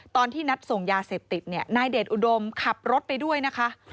ตอนที่นัดส่งยาเสพติดเนี่ยนายเดชอุดมขับรถไปด้วยนะคะ